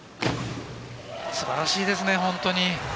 素晴らしいですね、本当に。